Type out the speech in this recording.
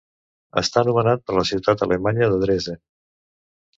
Està nomenat per la ciutat alemanya de Dresden.